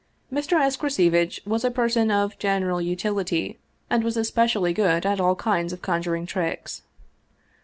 Mr. Escrocevitch was a person of general utility and was especially good at all kinds of conjuring tricks.